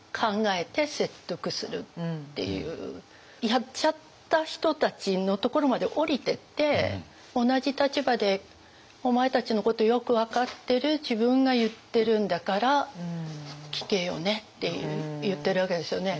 やっちゃった人たちのところまで下りてって「同じ立場でお前たちのことよく分かってる自分が言ってるんだから聞けよね」って言ってるわけですよね。